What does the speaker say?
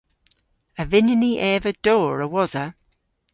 A vynnyn ni eva dowr a-wosa?